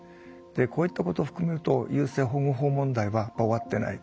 こういったことを含めると優生保護法問題は終わってない。